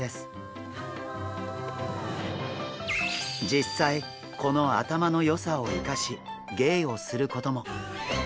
実際この頭の良さを生かし芸をすることも！